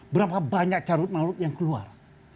berapa banyak carut marut yang keluar